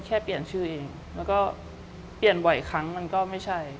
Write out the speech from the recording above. แค่เปลี่ยนชื่อเองแล้วก็เปลี่ยนบ่อยครั้งมันก็ไม่ใช่